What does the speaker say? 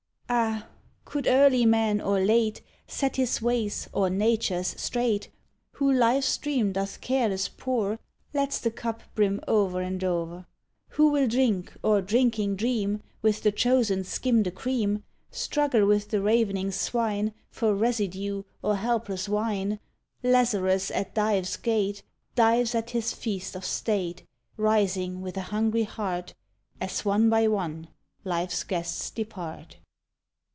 Ah! could early man, or late, Set his ways, or Nature's, straight, Who life's stream doth careless pour, Lets the cup brim o'er and o'er, Who will drink, or, drinking, dream, With the chosen skim the cream, Struggle with the ravening swine, For residue, or helpless whine, Lazarus at Dives' gate, Dives at his feast of state, Rising with a hungry heart, As, one by one, life's guests depart.